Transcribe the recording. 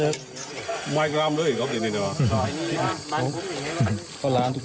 กลัววัวกาจะกลัวนี่ลูกนี้ปาก